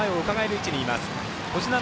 位置にいます。